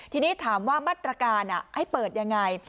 ทีนี้ถามว่ามาตรการให้เปิดยังไง